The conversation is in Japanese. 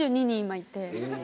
２２人今いて。